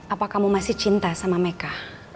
apa kamu masih cinta sama mereka